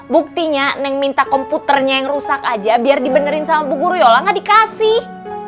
buktinya neng minta komputernya yang rusak aja biar dibenerin sama buku ruyolah gak dikasih